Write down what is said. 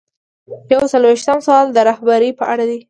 یو څلویښتم سوال د رهبرۍ په اړه دی.